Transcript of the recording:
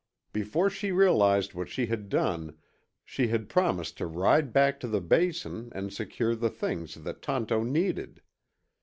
Before she realized what she had done, she had promised to ride back to the Basin and secure the things that Tonto needed.